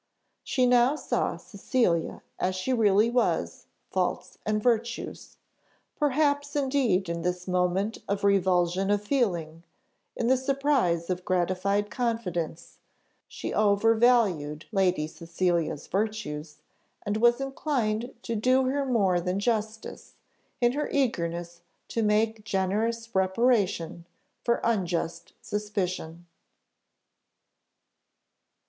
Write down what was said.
She now saw Cecilia as she really was faults and virtues. Perhaps indeed in this moment of revulsion of feeling, in the surprise of gratified confidence, she overvalued Lady Cecilia's virtues, and was inclined to do her more than justice, in her eagerness to make generous reparation for unjust suspicion.